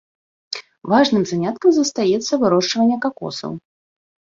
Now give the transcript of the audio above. Важным заняткам застаецца вырошчванне какосаў.